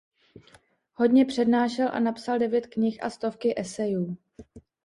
Hodně přednášel a napsal devět knih a stovky esejů.